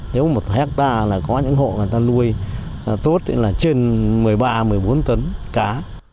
nếu một hectare là có những hộ người ta nuôi tốt là trên một mươi ba một mươi bốn tấn cá